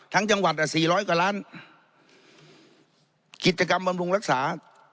ทั้งจังหวัดอ่ะ๔๐๐กว่าล้านกิจกรรมบำรุงรักษา